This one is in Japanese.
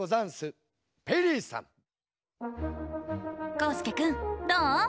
こうすけくんどう？